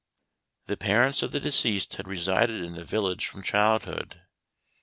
The parents of the deceased had resided in the village from childhood.